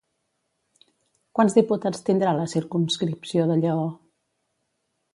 Quants diputats tindrà la circumscripció de Lleó?